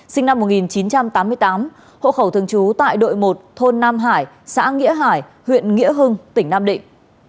sinh năm một nghìn chín trăm tám mươi tám hộ khẩu thường trú tại đội một thôn nam hải xã nghĩa hải huyện nghĩa hưng tỉnh nam định